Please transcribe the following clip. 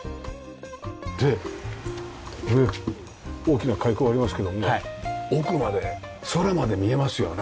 でこれ大きな開口ありますけども奥まで空まで見えますよね。